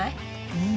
うん。